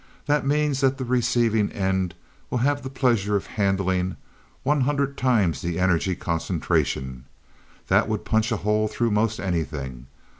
That means that the receiving end will have the pleasure of handling one hundred times the energy concentration. That would punch a hole through most anything.